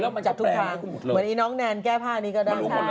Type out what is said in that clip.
แล้วมันจะแปลงอีกทุกทางนะครับผมหมดเลยเหมือนน้องแนนแก้ผ้านี้ก็ได้